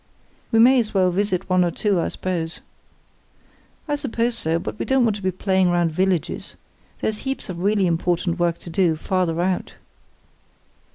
"We may as well visit one or two, I suppose?" "I suppose so; but we don't want to be playing round villages. There's heaps of really important work to do, farther out."